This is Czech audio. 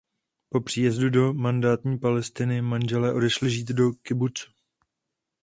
Po příjezdu do mandátní Palestiny manželé odešli žít do kibucu.